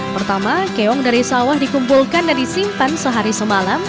pertama keong dari sawah dikumpulkan dan disimpan sehari semalam